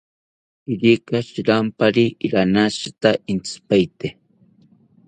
Irika shirampari ranashita intzipaete